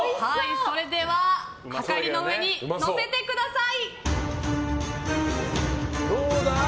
それでははかりの上に載せてください。